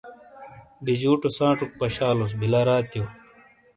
بِجُوٹو سانچوک پشالوس بِیلا راتیو۔